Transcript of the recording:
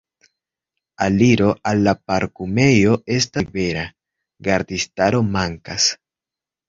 Aliro al la parkumejo estas libera, gardistaro mankas.